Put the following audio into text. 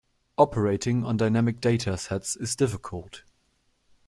Operating on dynamic data sets is difficult.